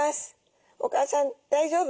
お母さん大丈夫？